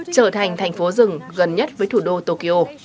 trở thành thành phố rừng gần nhất với thủ đô tokyo